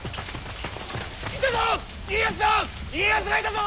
いたぞ！